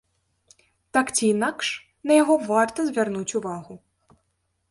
Так ці інакш, на яго варта звярнуць увагу.